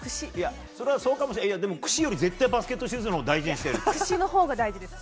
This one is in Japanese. それはそうかもしれないけどクシよりバスケットシューズのほうを大事にしてるよ。